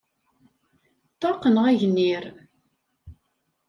Ṭṭaq neɣ agnir?